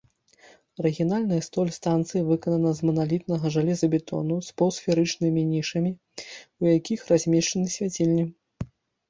Арыгінальная столь станцыі выкананая з маналітнага жалезабетону з паўсферычным нішамі, у якіх размешчаны свяцільні.